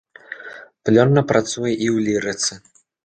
Плённа працуе і ў лірыцы.